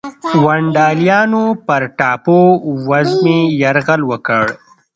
ونډالیانو پر ټاپو وزمې یرغل وکړ.